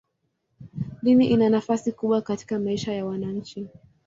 Dini ina nafasi kubwa katika maisha ya wananchi.